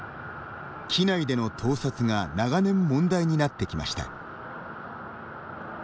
機内での盗撮が長年、問題になってきました。